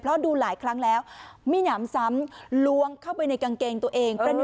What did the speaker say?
เพราะดูหลายครั้งแล้วมีหนามซ้ำล้วงเข้าไปในกางเกงตัวเอง